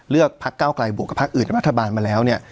เลือกพเก้าไกลพอื่นในรัฐบาลมาแล้วเนี่ย